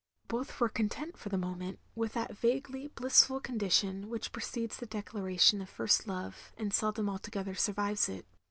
Both were content, for the moment, with that vaguely blissftd condition which precedes the declaration of first love, and seldom altogether stu^ves it.